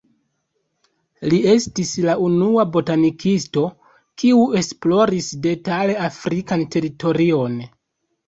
Li estis la unua botanikisto, kiu esploris detale afrikan teritorion.